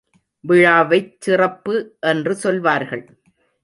விழாவைச் சிறப்பு என்று சொல்வார்கள்.